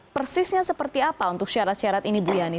persisnya seperti apa untuk syarat syarat ini bu yani